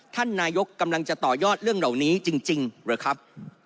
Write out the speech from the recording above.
ท่านนายกกำลังจะต่อยอดเรื่องเหล่านี้จริงหรือครับ